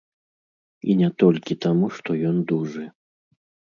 І не толькі таму, што ён дужы.